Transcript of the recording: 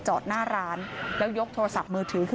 โชว์บ้านในพื้นที่เขารู้สึกยังไงกับเรื่องที่เกิดขึ้น